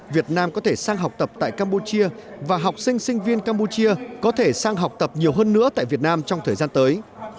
việt nam có thể sang học tập tại campuchia và học sinh sinh viên campuchia có thể sang học tập nhiều hơn nữa tại việt nam trong thời gian tới